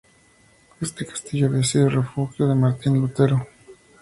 Este castillo había sido refugio de Martín Lutero.